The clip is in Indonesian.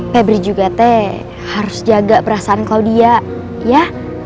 pebri juga teh harus jaga perasaan kalau dia ya